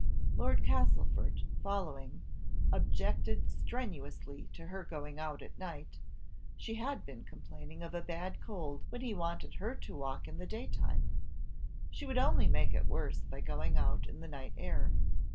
Lord Castlefort, following, objected strenuously to her going out at night; she had been complaining of a bad cold when he wanted her to walk in the daytime, she would only make it worse by going out in the night air.